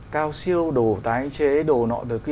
cao siêu đồ tái chế đồ nội dung